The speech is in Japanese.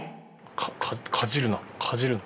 かかかじるなかじるな。